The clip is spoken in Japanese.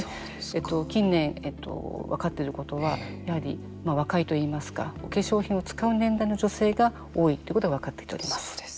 近年分かっていることはやはり、若いといいますかお化粧品を使う年代の女性が多いということが分かってきております。